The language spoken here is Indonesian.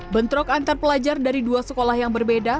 bentrok antar pelajar dari dua sekolah yang berbeda